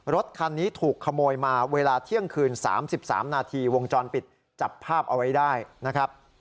รถคันนี้ถูกขโมยมาเวลาเที่ยงคืน๓๓นาทีวงจรปิดจับภาพเอาไว้ได้นะครับ